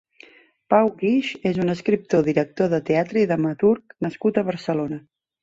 Pau Guix és un escriptor, director de teatre i dramaturg nascut a Barcelona.